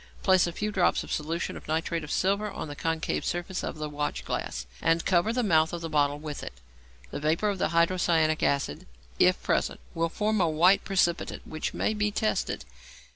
Place a few drops of a solution of nitrate of silver on the concave surface of the watchglass, and cover the mouth of the bottle with it. The vapour of hydrocyanic acid, if present, will form a white precipitate which may be tested.